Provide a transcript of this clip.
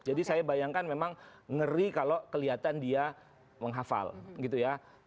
jadi saya bayangkan memang ngeri kalau kelihatan dia menghafal gitu ya